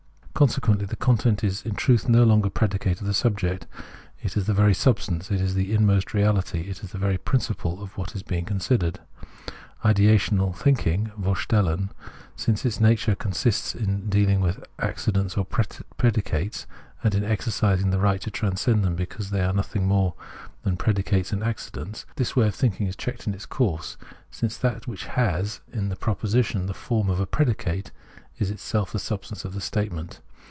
Consequently the content is in truth no longer predicate of the subject ; it is the very substance, is the inmost reality, and the very principle of what is being considered. Ideational thinking {vmstellen), since its nature consists in dealing with accidents or predicates, and in exercising the right to transcend them because they are nothing more 60 Phenomenology of Mind than predicates and accidents — this way of thinking is checked in its course, since that which has in the pro position the form of a predicate is itself the substance of the statement.